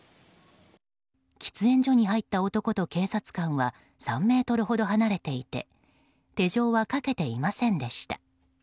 喫煙所に入った男と警察官は３ｍほど離れていて手錠はかけていませんでした。